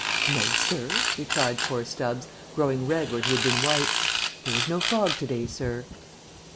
"No, sir," replied poor Stubbs, growing red where he had been white; "there is no fog to day, sir."